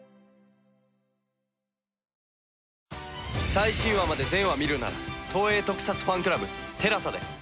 最新話まで全話見るなら東映特撮ファンクラブＴＥＬＡＳＡで。